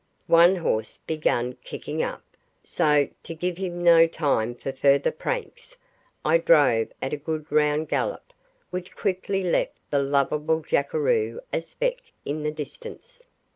One horse began kicking up, so, to give him no time for further pranks, I drove at a good round gallop, which quickly left the lovable jackeroo a speck in the distance.